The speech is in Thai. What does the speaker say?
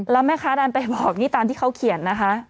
แล้วแม่ค้าดันไปบอกนี่ตามที่เขาเขียนนะคะ